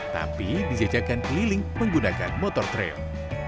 tapi dijajakan keliling menggunakan motor trail